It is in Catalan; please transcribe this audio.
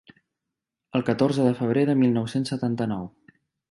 El catorze de febrer de mil nou-cents setanta-nou.